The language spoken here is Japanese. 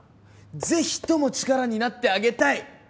是非とも力になってあげたい。